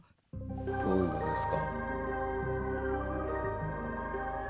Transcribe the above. どういうことですか？